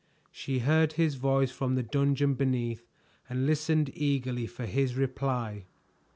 She heard his voice from the dungeon beneath and listened eagerly for his reply.